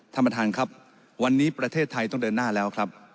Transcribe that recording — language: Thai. ท่านประธานครับวันนี้ประเทศไทยต้องเดินหน้าแล้วครับ